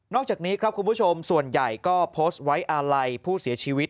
อกจากนี้ครับคุณผู้ชมส่วนใหญ่ก็โพสต์ไว้อาลัยผู้เสียชีวิต